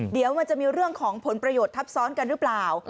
เดี๋ยวมันจะมีเรื่องของผลประโยชน์ทับซ้อนกันหรือเปล่า